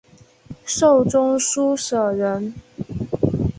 授中书舍人。